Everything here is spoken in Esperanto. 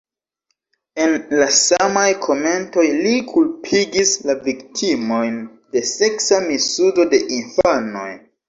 En la samaj komentoj li kulpigis la viktimojn de seksa misuzo de infanoj.